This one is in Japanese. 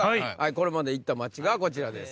これまで行った街がこちらです。